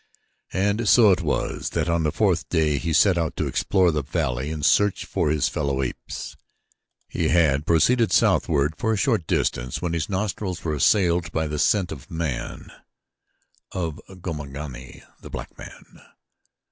And so it was that on the fourth day he set out to explore the valley and search for his fellow apes. He had proceeded southward for a short distance when his nostrils were assailed by the scent of man, of Gomangani, the black man.